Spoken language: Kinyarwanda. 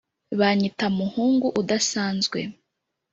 banyita muhungu udasanzwe